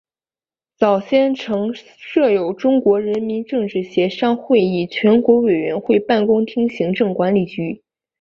早先曾设有中国人民政治协商会议全国委员会办公厅行政管理局。